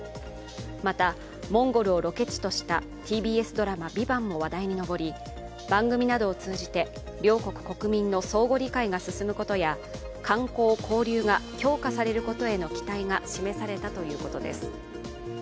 また、モンゴルをロケ地としたＴＢＳドラマ「ＶＩＶＡＮＴ」も話題に上り番組などを通じて両国国民の相互理解が進むことや観光交流が強化されることへの期待が示されたということです。